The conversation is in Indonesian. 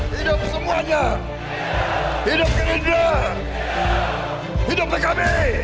hidup semuanya hidup kerindah hidup pkb